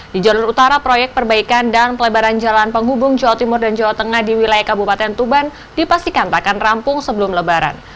di jalur utara proyek perbaikan dan pelebaran jalan penghubung jawa timur dan jawa tengah di wilayah kabupaten tuban dipastikan tak akan rampung sebelum lebaran